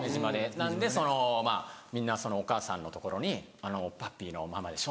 なんでみんなお母さんのところに「あのおっぱっぴーのママでしょ？」